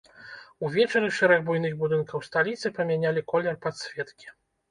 Увечары шэраг буйных будынкаў сталіцы памянялі колер падсветкі.